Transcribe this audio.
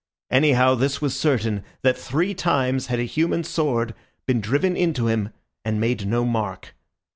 Anyhow, this was certain, that three times had a human sword been driven into him and made no mark.